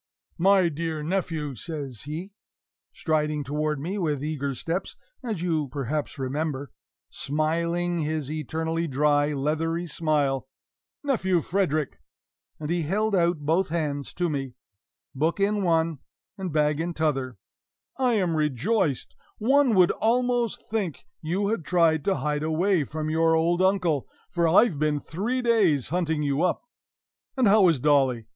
"My dear nephew!" says he, striding toward me with eager steps, as you perhaps remember, smiling his eternally dry, leathery smile "Nephew Frederick!" and he held out both hands to me, book in one and bag in t'other "I am rejoiced! One would almost think you had tried to hide away from your old uncle, for I've been three days hunting you up. And how is Dolly?